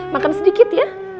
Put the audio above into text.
makan sedikit ya